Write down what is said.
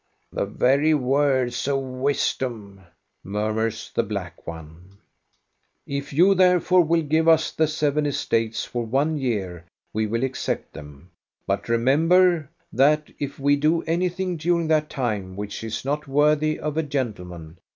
"The very words of wisdom," murmurs the black one. " If you, therefore, will give us the seven estates for one year we will accept them ; but remember that if we do anything during that time which is not worthy of a gentleman.